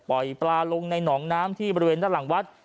ปล่อยปลาลงในน้องน้ำที่บริเวณหน้าหลังวัด